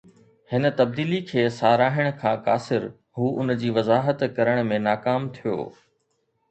هن تبديلي کي ساراهڻ کان قاصر، هو ان جي وضاحت ڪرڻ ۾ ناڪام ٿيو